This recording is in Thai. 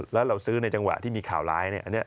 แล้วเราซื้อในจังหวะที่มีข่าวร้ายเนี่ย